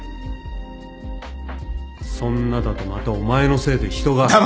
そんなだとまたお前のせいで人が。